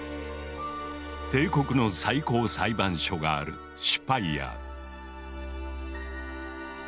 帝国の最高裁判所があるシュパイヤー。